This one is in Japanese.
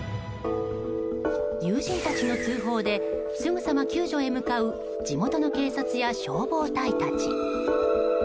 友人たちの通報ですぐさま救助へ向かう地元の警察や消防隊たち。